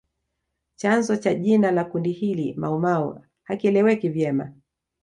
Chanzo cha jina la kundi hili Maumau hakieleweki vyema